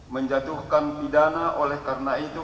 menjatuhkan pidana oleh karena itu